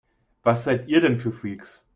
Was seid ihr denn für Freaks?